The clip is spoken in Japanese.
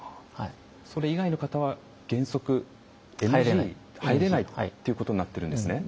それ以外の方は原則ＮＧで入れないということになってるんですね。